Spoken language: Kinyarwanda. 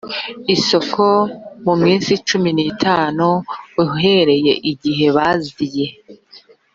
isoko mu minsi cumi n itanu uhereye igihe baziye